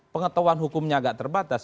pengetahuan hukumnya agak terbatas